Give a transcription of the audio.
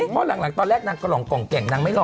เพราะหลังตอนแรกนางก็หล่องแก่งนางไม่หล